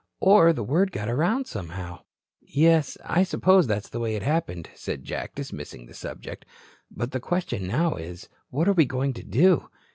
Or the word got around somehow." "Yes, I suppose that's the way it happened," said Jack, dismissing the subject. "But the question now is, what are we going to do?